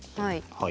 はい。